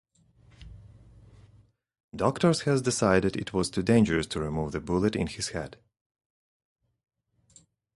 Doctors had decided it was too dangerous to remove the bullet in her head.